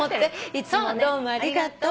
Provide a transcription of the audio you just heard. いつもどうもありがとう。